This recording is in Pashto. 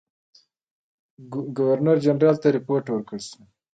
ګورنر جنرال ته رپوټ ورکړه شو.